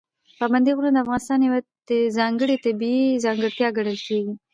پابندي غرونه د افغانستان یوه ځانګړې طبیعي ځانګړتیا ګڼل کېږي.